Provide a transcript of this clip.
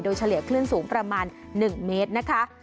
โดยเฉลี่ยคลื่นสูงประมาณ๑เมตรนะคะ